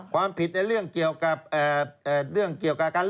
ความผิดในเรื่องเกี่ยวกับการเลือกตั้ง